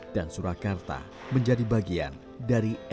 dan surakarta menjadi bagian dari nkri